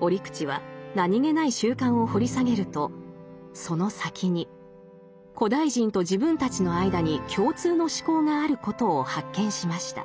折口は何気ない習慣を掘り下げるとその先に古代人と自分たちの間に共通の思考があることを発見しました。